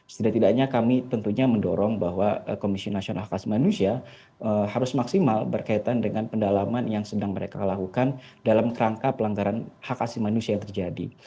setidak tidaknya kami tentunya mendorong bahwa komisi nasional hak asasi manusia harus maksimal berkaitan dengan pendalaman yang sedang mereka lakukan dalam kerangka pelanggaran hak asli manusia yang terjadi